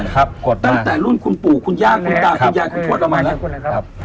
น้ำโบราณตั้งแต่รุ่นคุณปู่คุณย่าคุณตาคุณย่าคุณโทษเรามาแล้ว